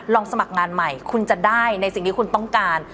สมัครงานใหม่คุณจะได้ในสิ่งที่คุณต้องการ